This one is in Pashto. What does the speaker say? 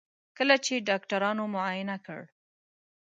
کله چې ډاکټرانو معاینه کړ.